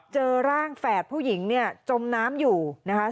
เจอร่างแฝดผู้หญิงเนี่ยจมน้ำอยู่นะคะ